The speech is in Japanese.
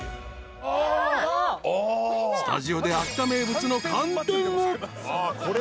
［スタジオで秋田名物の寒天を］